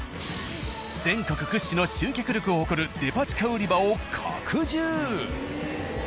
全国屈指の集客力を誇るデパ地下売り場を拡充！